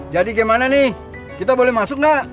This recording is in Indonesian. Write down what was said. jadi gimana nih kita boleh masuk nggak